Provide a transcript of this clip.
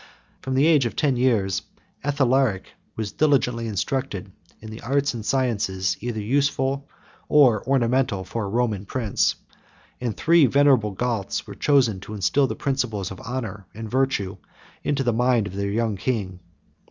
From the age of ten years,54 Athalaric was diligently instructed in the arts and sciences, either useful or ornamental for a Roman prince; and three venerable Goths were chosen to instil the principles of honor and virtue into the mind of their young king.